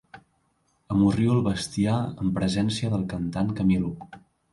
Amorrio el bestiar en presència del cantant Camilo.